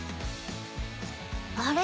あれ？